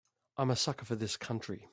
I'm a sucker for this country.